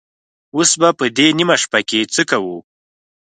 اوس به په دې نيمه شپه کې څه کوو؟